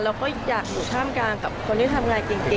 เราก็อยากอยู่ท่ามกลางกับคนที่ทำงานเก่ง